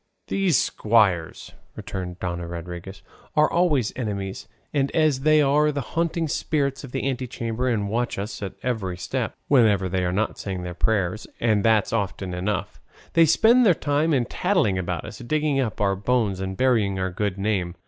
'" "These squires," returned Dona Rodriguez, "are always our enemies; and as they are the haunting spirits of the antechambers and watch us at every step, whenever they are not saying their prayers (and that's often enough) they spend their time in tattling about us, digging up our bones and burying our good name.